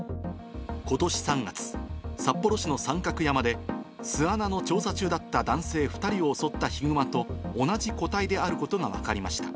ことし３月、札幌市の三角山で、巣穴の調査中だった男性２人を襲ったヒグマと、同じ個体であることが分かりました。